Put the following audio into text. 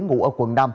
ngụ ở quận năm